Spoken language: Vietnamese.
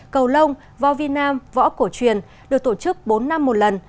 cầu lông vo vi nam võ cổ truyền được tổ chức bốn năm một lần